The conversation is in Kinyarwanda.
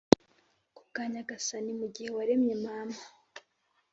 kubwa nyagasani. mugihe waremye mama,